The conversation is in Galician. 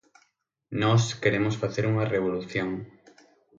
Nós queremos facer unha revolución.